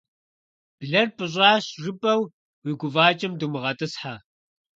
Блэр «пӀыщӀащ» жыпӀэу уи гуфӀакӀэм думыгъэтӀысхьэ.